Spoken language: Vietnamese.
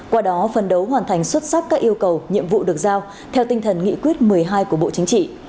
qua đó phân đấu hoàn thành xuất sắc các yêu cầu nhiệm vụ được giao theo tinh thần nghị quyết một mươi hai của bộ chính trị